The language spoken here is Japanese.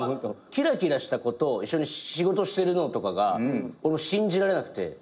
キラキラした子と一緒に仕事してるのとかが信じられなくて。